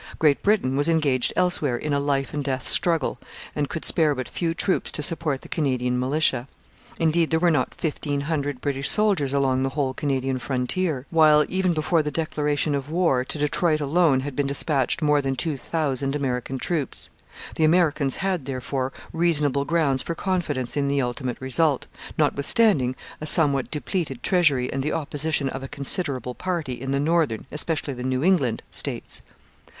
Great Britain was engaged elsewhere in a life and death struggle and could spare but few troops to support the Canadian militia. Indeed, there were not fifteen hundred British soldiers along the whole Canadian frontier; while, even before the declaration of war, to Detroit alone had been dispatched more than two thousand American troops. The Americans had, therefore, reasonable grounds for confidence in the ultimate result, notwithstanding a somewhat depleted treasury and the opposition of a considerable party in the northern, especially the New England, States.